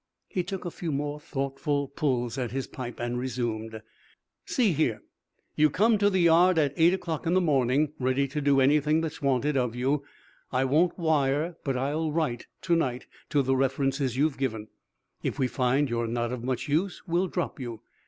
He took a few more thoughtful pulls at his pipe and resumed: "See here, you come to the yard at eight o'clock in the morning, ready to do anything that's wanted of you. I won't wire, but I'll write, to night, to the references you've given. If we find you're not of much use we'll drop you.